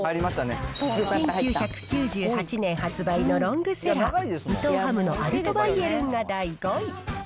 １９９８年発売のロングセラー、伊藤ハムのアルトバイエルンが第５位。